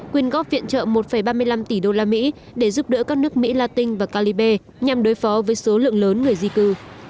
quyên góp viện trợ một ba mươi năm tỷ đô la mỹ để giúp đỡ các nước mỹ latin và calibe nhằm đối phó với số lượng lớn người di cư